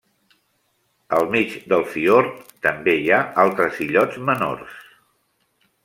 Al mig del fiord també hi ha altres illots menors.